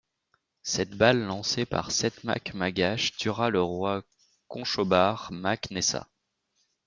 Cette balle, lancée par Cêt Mac Magach tuera le roi Conchobar Mac Nessa.